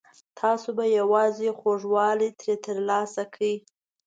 تاسو به یوازې خوږوالی ترې ترلاسه کړئ.